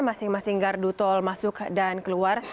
masing masing gardu tol masuk dan keluar